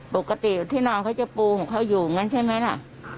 ปกติที่นอนเขาจะปูของเขาอยู่งั้นใช่ไหมล่ะ